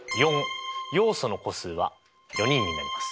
要素の個数は４人になります。